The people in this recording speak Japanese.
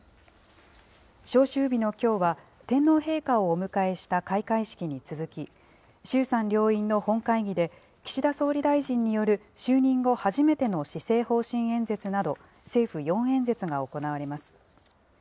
召集日のきょうは、天皇陛下をお迎えした開会式に続き、衆参両院の本会議で、岸田総理大臣による就任後初めての施政方針演説など、政府４演説が行われます。